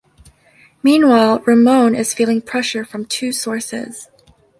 Meanwhile, Ramon is feeling pressure from two sources.